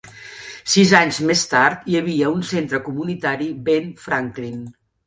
Sis anys més tard hi havia un Centre Comunitari Ben Franklin.